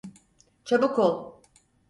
Çabuk ol!